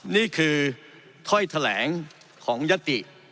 นี่คือถ้อยแถลงของยติ